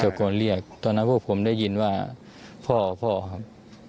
โกนเรียกตอนนั้นพวกผมได้ยินว่าพ่อพ่อครับ